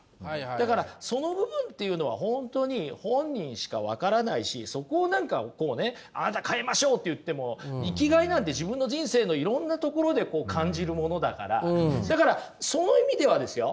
だからその部分っていうのは本当に本人しか分からないしそこを何かこうね「あなた変えましょう」って言っても生きがいなんて自分の人生のいろんなところで感じるものだからだからその意味ではですよ